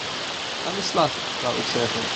Aan de slag, zou ik zeggen.